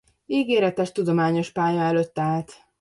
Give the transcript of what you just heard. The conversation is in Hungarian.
Ígéretes tudományos pálya előtt állt.